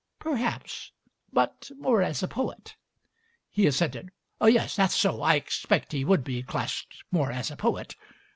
"Perhaps; but more as a poet." He assented. "Yes, that's so. I expect he would be classed more as a poet.